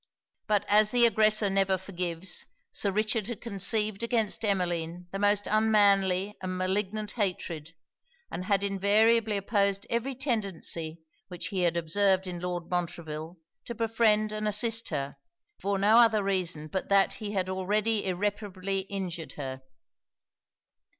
But as the aggressor never forgives, Sir Richard had conceived against Emmeline the most unmanly and malignant hatred, and had invariably opposed every tendency which he had observed in Lord Montreville to befriend and assist her, for no other reason but that he had already irreparably injured her.